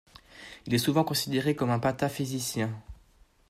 Il est souvent considéré comme un pataphysicien.